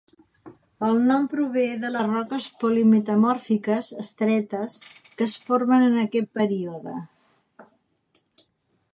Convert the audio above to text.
El nom prové de les roques polimetamòrfiques estretes que es formen en aquest període.